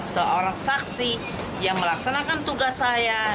seorang saksi yang melaksanakan tugas saya